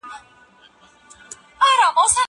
زه هره ورځ ليکلي پاڼي ترتيب کوم!!